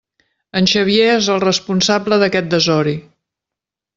En Xavier és el responsable d'aquest desori!